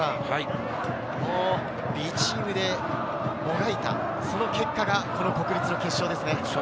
Ｂチームでもがいた、その結果がこの国立の決勝ですね。